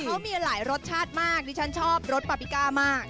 เขามีหลายรสชาติมากดิฉันชอบรสปาปิก้ามาก